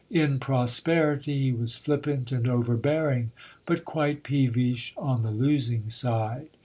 In prosperity he was flippant and overbearing, but quite peevish on the losing side.